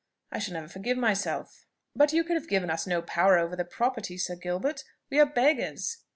I shall never forgive myself!" "But you could have given us no power over the property, Sir Gilbert. We are beggars."